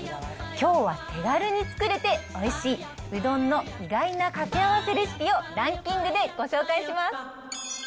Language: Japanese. きょうは手軽に作れておいしい、うどんの意外なかけあわせレシピをランキングでご紹介します。